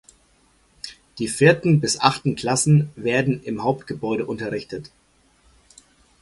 Die vierten bis achten Klassen werden im Hauptgebäude unterrichtet.